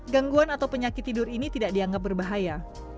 gangguan atau penyakit tidur ini tidak dianggap berbahaya